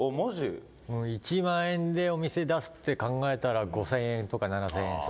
１万円でお店に出すって考えたら５０００円とか７０００円。